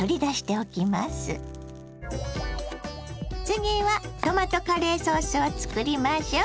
次はトマトカレーソースを作りましょ。